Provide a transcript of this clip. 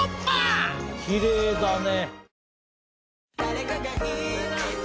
きれいだね。